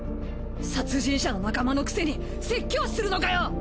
殺人者の仲間のくせに説教するのかよ！